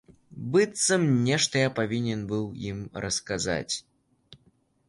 Быццам нешта я павінен быў ім расказаць.